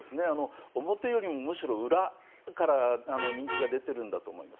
表よりも、むしろ裏から人気が出ているんだと思います。